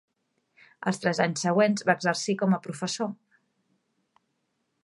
Els tres anys següents va exercir com a professor.